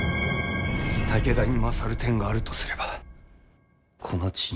武田に勝る点があるとすればこの地についてじゃ。